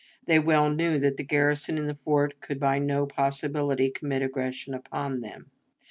They well knew that the garrison in the fort could by no possibility commit aggression upon them.